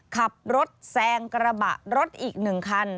ขับรถแซงกระบะรถอีก๑คัน